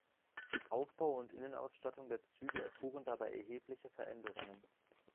Aufbau und Innenausstattung der Züge erfuhren dabei erhebliche Veränderungen.